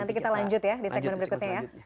nanti kita lanjut ya di segmen berikutnya ya